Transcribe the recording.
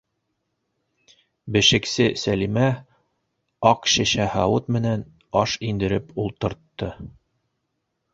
Бешексе Сәлимә аҡ шешә һауыт менән аш индереп ултыртты.